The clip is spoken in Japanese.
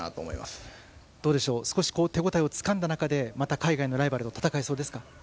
少し手応えをつかんだ中でまた海外のライバルと戦えそうですか？